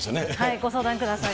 ご相談ください。